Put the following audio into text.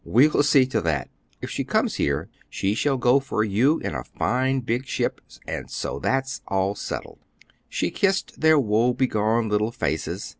"We will see to that! If she comes here, she shall go for you in a fine big ship, and so that's all settled." She kissed their woebegone little faces.